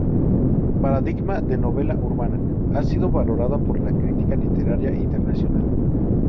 Paradigma de novela urbana, ha sido valorada por la crítica literaria internacional.